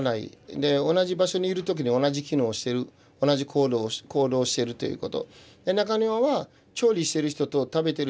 で同じ場所にいる時に同じ機能をしてる同じ行動をしてるということ。